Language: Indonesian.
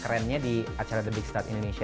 kerennya di acara the big start indonesia